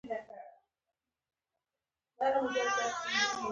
احمد چې مړ شو؛ بچي يې علي تر وزر باندې ونيول.